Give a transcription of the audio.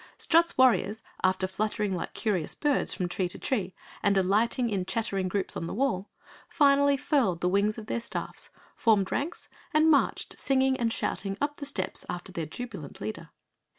Strut's warriors, after fluttering like curious birds from tree to tree and alighting in chattering groups on the wall, finally furled the wings of their staffs, formed ranks and marched, singing and shouting, up the steps after their jubilant leader.